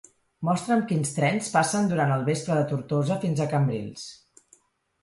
Mostra'm quins trens passen durant el vespre de Tortosa fins a Cambrils.